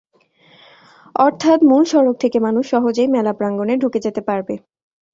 অর্থাৎ মূল সড়ক থেকে মানুষ সহজেই মেলা প্রাঙ্গণে ঢুকে যেতে পারবে।